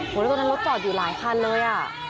หัวหน้าตอนนั้นรถจอดอยู่หลายพันธุ์เลย